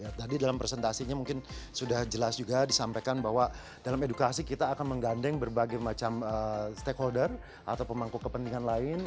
tadi dalam presentasinya mungkin sudah jelas juga disampaikan bahwa dalam edukasi kita akan menggandeng berbagai macam stakeholder atau pemangku kepentingan lain